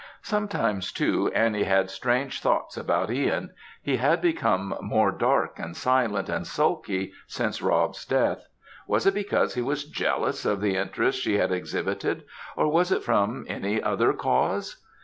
Sometimes, too, Annie had strange thoughts about Ihan; he had become more dark, and silent, and sulky, since Rob's death; was it because he was jealous of the interest she had exhibited, or was it from any other cause?